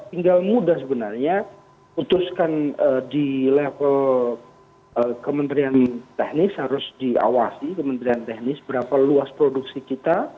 tinggal mudah sebenarnya putuskan di level kementerian teknis harus diawasi kementerian teknis berapa luas produksi kita